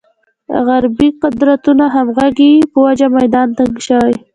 غربې قدرتونو همغږۍ په وجه میدان تنګ شوی.